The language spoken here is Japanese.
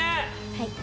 はい。